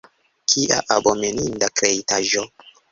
Kia abomeninda kreitaĵo!